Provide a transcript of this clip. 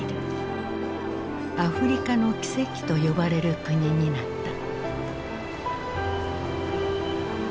「アフリカの奇跡」と呼ばれる国になった。